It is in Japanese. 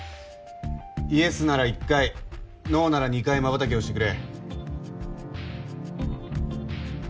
イエスなら１回ノーなら２回瞬きをしてくれ。